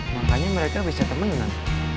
makanya mereka bisa temenin